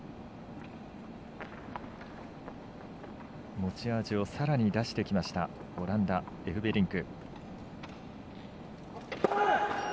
持ち味をさらに出してきましたオランダ、エフベリンク。